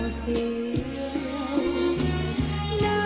แผนที่๓ที่คุณนุ้ยเลือกออกมานะครับ